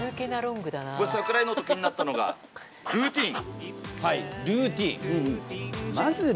櫻井ノートで気になったのがルーティン。